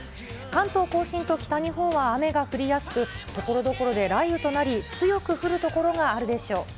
関東甲信と北日本は雨が降りやすく、ところどころで雷雨となり、強く降る所があるでしょう。